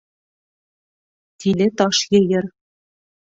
Тиле таш йыйыр.